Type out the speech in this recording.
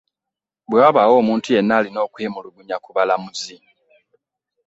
Bwe wabaawo omuntu yenna alina okwemulugunya ku balamuzi